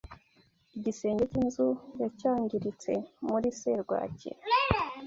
Igisenge cyinzu ya cyangiritse muri serwakira.